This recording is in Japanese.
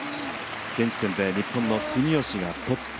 現時点で日本の住吉がトップ。